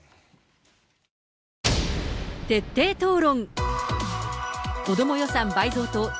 徹底討論。